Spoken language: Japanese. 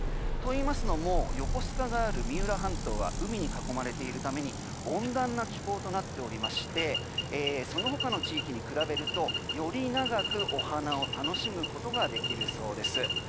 といいますのも横須賀がある三浦半島は海に囲まれているため温暖な気候となっておりましてその他の地域に比べるとより長くお花を楽しむことができるそうです。